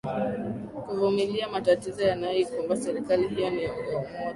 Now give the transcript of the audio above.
kuvumiliaa matatizo yanayoikumba serikali hiyo ya umoja